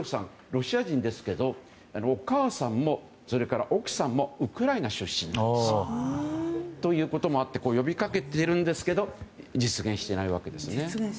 ロシア人ですけどお母さんも奥さんもウクライナ出身なんですよ。ということもあって呼びかけているんですけど実現していないわけですね。